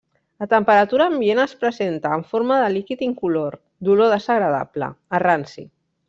A temperatura ambient es presenta en forma de líquid incolor, d'olor desagradable, a ranci.